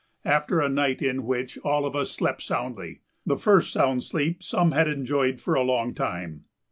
after a night in which all of us slept soundly the first sound sleep some had enjoyed for a long time.